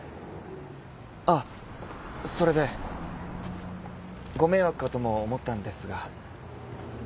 あっそれでご迷惑かとも思ったんですが。